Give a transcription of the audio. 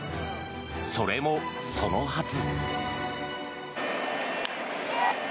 それもそのはず。